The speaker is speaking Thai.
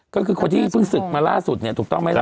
ก็คือคนที่เพิ่งศึกมาล่าสุดเนี่ยถูกต้องไหมล่ะ